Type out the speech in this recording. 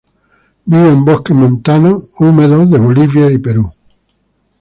Vive en bosques montanos húmedos de Bolivia y Perú.